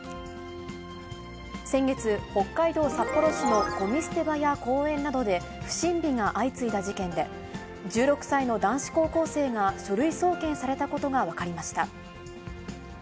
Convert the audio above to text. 先月、北海道札幌市のごみ捨て場や公園などで、不審火が相次いだ事件で、１６歳の男子高校生が書類送検されたことが分かりました。